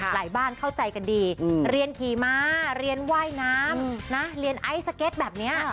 บ้านเข้าใจกันดีเรียนขี่ม้าเรียนว่ายน้ำนะเรียนไอซ์สเก็ตแบบนี้